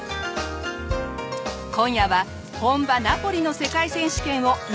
今夜は本場ナポリの世界選手権を２連覇！